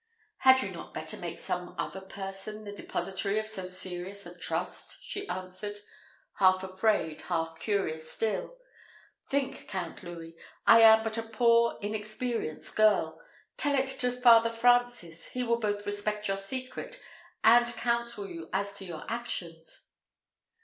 "Had you not better make some other person the depositary of so serious a trust?" she answered, half afraid, half curious still. "Think, Count Louis, I am but a poor inexperienced girl tell it to Father Francis, he will both respect your secret and counsel you as to your actions."